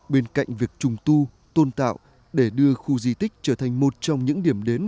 bên cạnh việc trùng tu tôn tạo để đưa khu di tích trở thành một trong những điểm đến